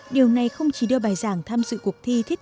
điều này không chỉ đưa bài giảng tham dự cuộc thi thiết kế